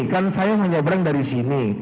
kan saya menyeberang dari sini